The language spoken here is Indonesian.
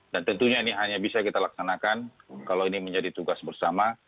dan tentunya ini hanya bisa kita laksanakan kalau ini menjadi tugas bersama